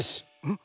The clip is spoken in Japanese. ん？